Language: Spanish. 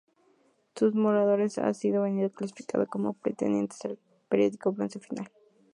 Sus moradores se les ha venido clasificando como pertenecientes al periodo del Bronce Final.